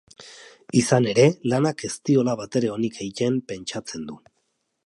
Izan ere, lanak ez diola batere onik egiten pentsatzen du.